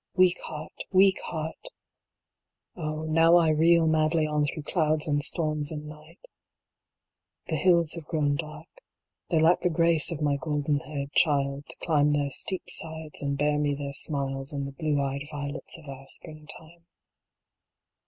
Weak Heart, weak Heart ! 58 SALE OF SOULS. Oh, now I reel madly on through clouds and storms and night The hills have grown dark, They lack the grace of my golden haired child, to climb their steep sides, and bear me their smiles in the blue eyed violets of our spring time.